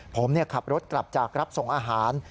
ผมขับรถกลับจากรับส่งอาหาร